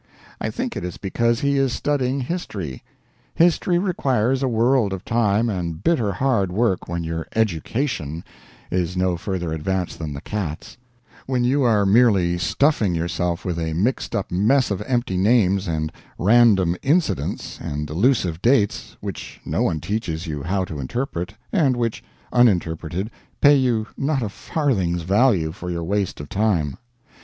I think it is because he is studying history. History requires a world of time and bitter hard work when your "education" is no further advanced than the cat's; when you are merely stuffing yourself with a mixed up mess of empty names and random incidents and elusive dates, which no one teaches you how to interpret, and which, uninterpreted, pay you not a farthing's value for your waste of time.